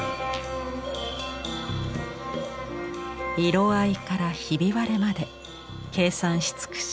色合いからひび割れまで計算し尽くし